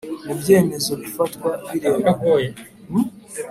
mu byemezo bifatwa birebana